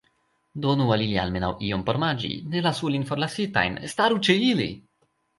Donu al ili almenaŭ iom por manĝi; ne lasu ilin forlasitajn; staru ĉe ili!